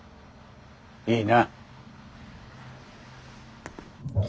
いいな？